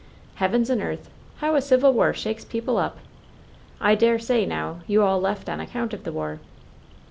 Heavens and earth — how a civil war shakes people up! I dare say, now, you all left on account of the war."